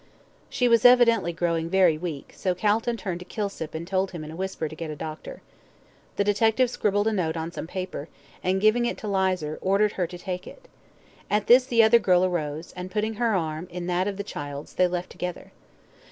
She was evidently growing very weak, so Calton turned to Kilsip and told him in a whisper to get a doctor. The detective scribbled a note on some paper, and, giving it to Lizer, ordered her to take it. At this, the other girl arose, and, putting her arm in that of the child's, they left together.